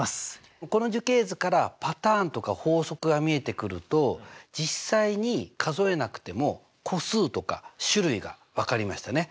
この樹形図からパターンとか法則が見えてくると実際に数えなくても個数とか種類が分かりましたね。